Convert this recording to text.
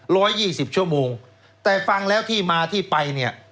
ยี่สิบชั่วโมงแต่ฟังแล้วที่มาที่ไปเนี่ย